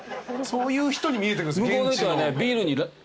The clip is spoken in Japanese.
そういう人に見えてくる現地の。